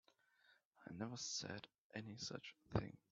I never said any such thing.